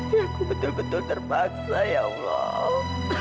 aku betul betul terpaksa ya allah